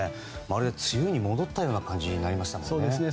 まるで梅雨に戻ったような感じになりましたね。